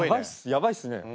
やばいっすね